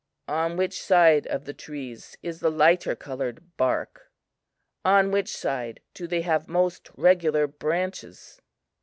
"On which side of the trees is the lighter colored bark? On which side do they have most regular branches?"